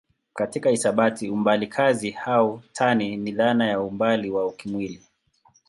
Katika hisabati umbali kazi au tani ni dhana ya umbali wa kimwili.